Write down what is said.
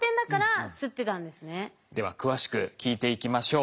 では詳しく聞いていきましょう。